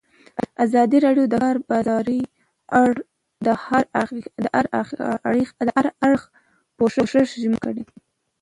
ازادي راډیو د د کار بازار په اړه د هر اړخیز پوښښ ژمنه کړې.